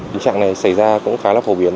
tình trạng này xảy ra cũng khá là phổ biến